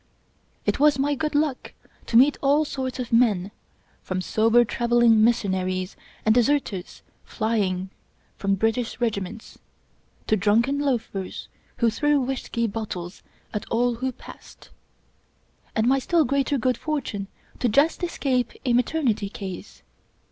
It was my good luck to meet all sorts of men, from sober traveling mis sionaries and deserters flying from British Regiments, to drunken loafers who threw whisky bottles at all who passed ; and my still greater good fortune just to escape a maternity case.